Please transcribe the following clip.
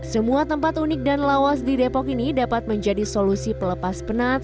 semua tempat unik dan lawas di depok ini dapat menjadi solusi pelepas penat